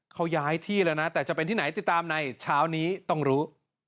เขาย้ายที่แล้วนะแต่จะเป็นที่ไหนติดตามในเช้านี้ต้องรู้